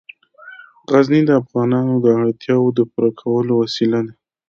غزني د افغانانو د اړتیاوو د پوره کولو وسیله ده.